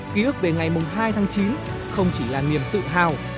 ký ức về ngày hai tháng chín không chỉ là niềm tự hào